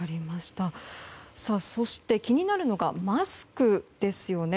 そして気になるのがマスクですよね。